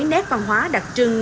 nét văn hóa đặc trưng